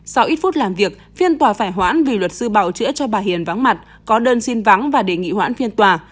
sau ít phút làm việc phiên tòa phải hoãn vì luật sư bảo chữa cho bà hiền vắng mặt có đơn xin vắng và đề nghị hoãn phiên tòa